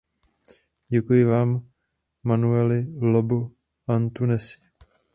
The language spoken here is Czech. Děkuji vám, Manueli Lobo Antunesi.